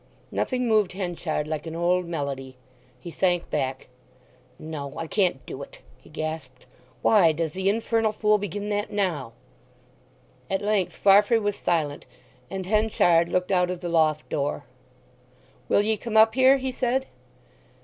Nothing moved Henchard like an old melody. He sank back. "No; I can't do it!" he gasped. "Why does the infernal fool begin that now!" At length Farfrae was silent, and Henchard looked out of the loft door. "Will ye come up here?" he said.